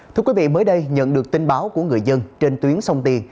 thưa quý vị mới đây nhận được tin báo của người dân trên tuyến sông tiền